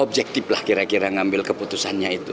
objektif lah kira kira ngambil keputusannya itu